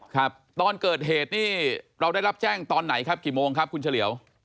ครับตอนเกิดเหตุนี่เราได้รับแจ้งตอนไหนครับกี่โมงครับคุณเฉลี่ยว